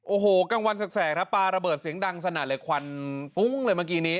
โอ้โหกลางวันแสกครับปลาระเบิดเสียงดังสนั่นเลยควันฟุ้งเลยเมื่อกี้นี้